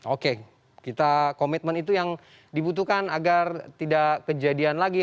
oke kita komitmen itu yang dibutuhkan agar tidak kejadian lagi